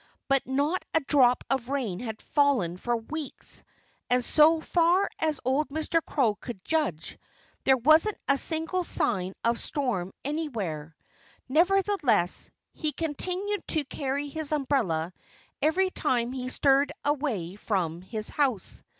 But not a drop of rain had fallen for weeks. And so far as old Mr. Crow could judge, there wasn't a single sign of a storm anywhere. Nevertheless, he continued to carry his umbrella every time he stirred away from his house.